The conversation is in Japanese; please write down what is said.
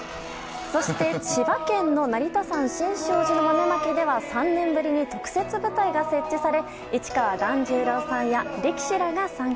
そして、千葉県の成田山新勝寺の豆まきでは３年ぶりに特設舞台が設置され市川團十郎さんや力士らが参加。